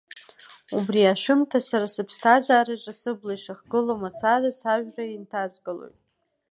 Убри ашәымҭа сара сыԥсҭазаараҿы сыбла ишыхгылоу мацара сажәра инҭазгалоит.